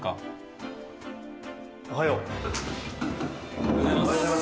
おはようございます。